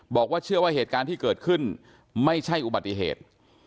บอกว่าเชื่อว่าเหตุการณ์ที่เกิดขึ้นไม่ใช่อุบัติเหตุ